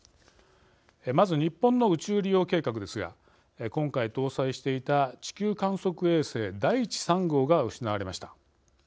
まず、日本の宇宙利用計画ですが今回搭載していた地球観測衛星だいち３号が失われました。